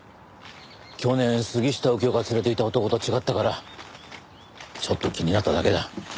去年杉下右京が連れていた男と違ったからちょっと気になっただけだ。